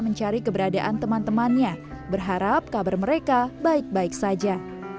mencari keberadaan teman temannya berharap kabar mereka baik baik saja